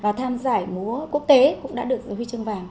tham giải múa quốc tế cũng đã được giới huy chương vàng